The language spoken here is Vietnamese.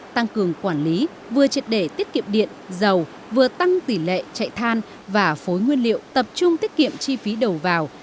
tăng cường quản lý vừa triệt để tiết kiệm điện dầu vừa tăng tỷ lệ chạy than và phối nguyên liệu tập trung tiết kiệm chi phí đầu vào